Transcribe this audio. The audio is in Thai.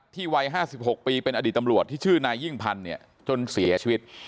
วัย๕๖ปีเป็นอดีตตำรวจที่ชื่อนายยิ่งพันธ์จนเสียชีวิต